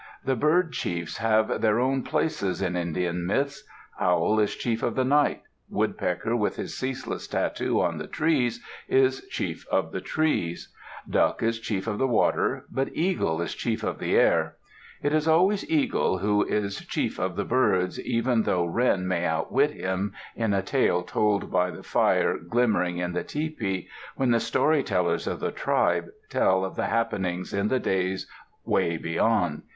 The bird chiefs have their own places in Indian myths. Owl is chief of the night; Woodpecker, with his ceaseless tattoo on the trees, is chief of the trees; Duck is chief of the water; but Eagle is chief of the day. It is always Eagle who is chief of the birds, even though Wren may outwit him in a tale told by the fire glimmering in the tepee, when the story tellers of the tribe tell of the happenings in the days "way beyond."